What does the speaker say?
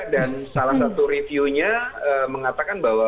dan salah satu reviewnya mengatakan bahwa